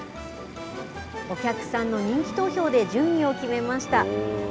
お客さんの人気投票で順位を決めました。